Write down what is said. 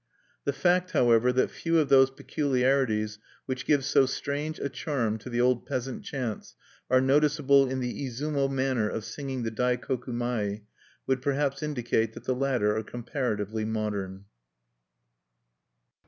The fact, however, that few of those peculiarities which give so strange a charm to the old peasant chants are noticeable in the Izumo manner of singing the Daikoku mai would perhaps indicate that the latter are comparatively modern.